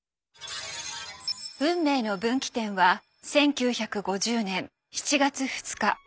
運命の分岐点は１９５０年７月２日。